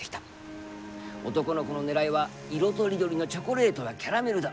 男の子の狙いは色とりどりのチョコレートやキャラメルだ。